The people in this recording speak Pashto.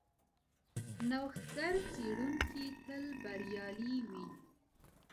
نوښتګر څېړونکي تل بریالي وي.